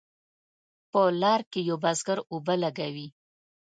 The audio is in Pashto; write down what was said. په لار کې یو بزګر اوبه لګوي.